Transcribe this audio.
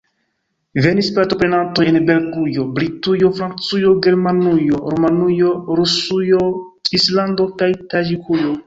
Venis partoprenantoj el Belgujo, Britujo, Francujo, Germanujo, Rumanujo, Rusujo, Svislando kaj Taĝikujo.